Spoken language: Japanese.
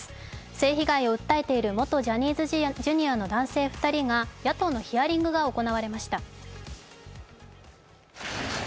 性被害を訴えている元ジャニーズＪｒ．の男性２人が野党のヒアリングが行われました。